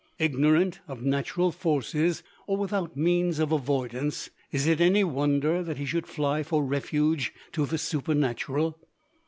Ignorant of natural forces, or without means of avoidance, is it any wonder that he should fly for refuge to the Supernatural?